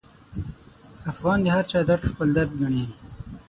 افغان د هرچا درد خپل درد ګڼي.